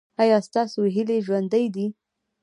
ایا ستاسو هیلې ژوندۍ دي؟